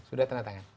sudah tanah tangan